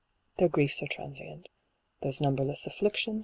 Their griefs are transient. Those numberless * Crawford.